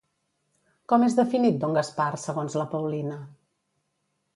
Com és definit don Gaspar segons la Paulina?